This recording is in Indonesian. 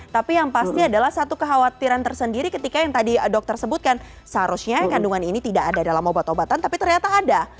tapi yang pasti adalah satu kekhawatiran tersendiri ketika yang tadi dok tersebutkan seharusnya kandungan ini tidak ada dalam obat obatan tapi ternyata ada